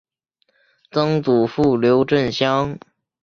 曾祖父刘震乡。